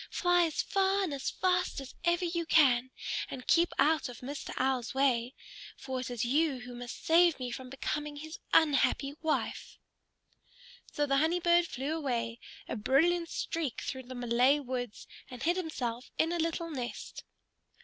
Fly as far and as fast as ever you can, and keep out of Mr. Owl's way. For it is you who must save me from becoming his unhappy wife." So the Honey Bird flew away, a brilliant streak, through the Malay woods, and hid himself in a little nest.